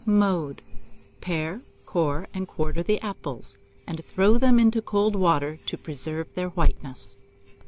Mode. Pare, core, and quarter the apples, and throw them into cold water to preserve their whiteness.